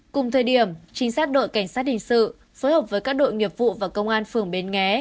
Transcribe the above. cùng thời điểm trinh sát đội cảnh sát hình sự phối hợp với các đội nghiệp vụ và công an phường bến nghé